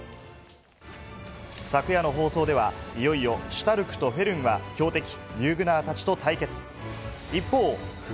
昨夜の放送では、いよいよシュタルクとフェルンは、強敵、リュグナーたちと対決。